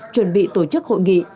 chuẩn bị tổ chức hội nghị